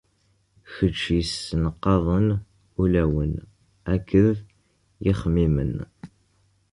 Kečč yessenqaden ulawen akked yixemmimen.